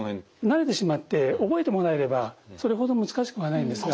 慣れてしまって覚えてもらえればそれほど難しくはないんですが。